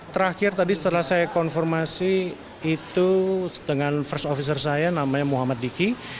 terakhir tadi setelah saya konfirmasi itu dengan first officer saya namanya muhammad diki